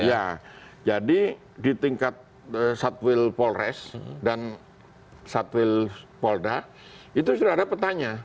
iya jadi di tingkat kasatwil polres dan kasatwil polda itu sudah ada petanya